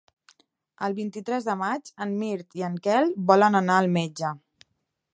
El vint-i-tres de maig en Mirt i en Quel volen anar al metge.